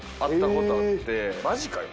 マジかよ。